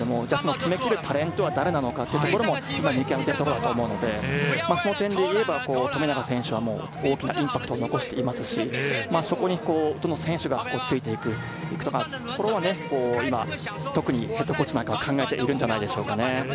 決めきるタレントは誰なのかというところも見極めているところだと思うので、その点でいえば富永選手は大きなインパクトを残していますし、そこにどの選手がついていくかというところは今、特にＨＣは考えているんじゃないでしょうかね。